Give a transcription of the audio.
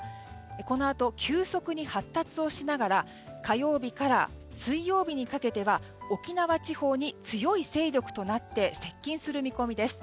このあと急速に発達をしながら火曜日から水曜日にかけては沖縄地方に強い勢力となって接近する見込みです。